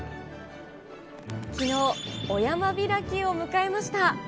きのう、お山開きを迎えました。